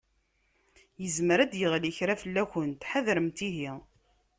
Yezmer ad d-yeɣli kra fell-akent, ḥadremt ihi.